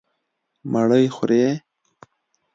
_مړۍ خورې؟